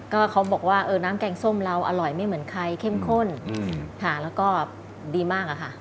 ก็เขาบอกว่าน้ำแกงส้มเราอร่อยไม่เหมือนใครเข้มข้นค่ะแล้วก็ดีมากอะค่ะ